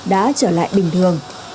đã trở lại bình thường